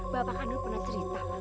bapak kan dulu pernah cerita